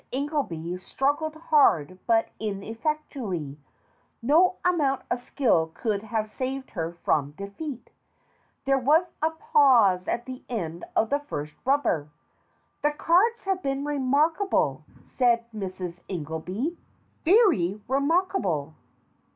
Ingelby struggled hard but ineffectually; no amount of skill could have saved her from defeat. There was a pause at the end of the first rubber. "The cards have been remarkable," said Mrs. In 204 STORIES WITHOUT TEARS gelby, "very remarkable.